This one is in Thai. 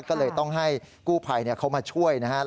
ก็เลยต้องให้กู้ภัยเขามาช่วยนะครับ